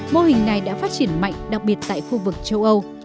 mô hình này đã phát triển mạnh đặc biệt tại khu vực châu âu